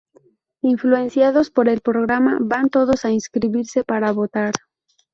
Influenciados por el programa van todos a inscribirse para votar.